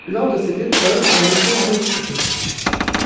Lors de cette épreuve ont été enregistrés.